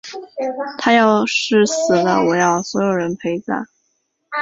她要是死了，我要所有人陪葬！